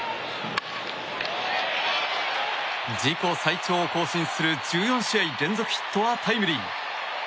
自己最長を更新する１４試合連続ヒットはタイムリー。